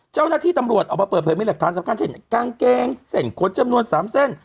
เจ้านาธิตำรวจเอามาเปิดเพิ่มให้เหลือหลักฐานสำคัญเช่นกางเกงเสียงกศจำนวน๓เส้น